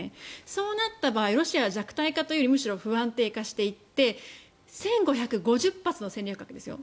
そうなった場合はロシアは弱体化というよりは不安定化していって１０００発の戦術核ですよ。